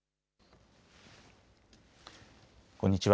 こんにちは。